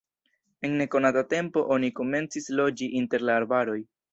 En nekonata tempo oni komencis loĝi inter la arbaroj.